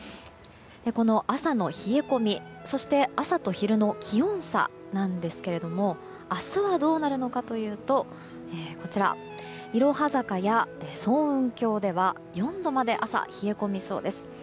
この朝の冷え込み、そして朝と昼の気温差なんですけれども明日はどうなるのかというといろは坂や層雲峡では４度まで朝、冷え込みそうです。